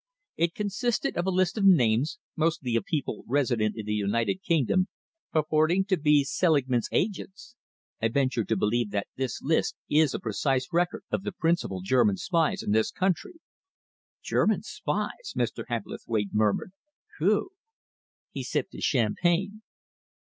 It consisted of a list of names mostly of people resident in the United Kingdom, purporting to be Selingman's agents. I venture to believe that this list is a precise record of the principal German spies in this country." "German spies!" Mr. Hebblethwaite murmured. "Whew!" He sipped his champagne.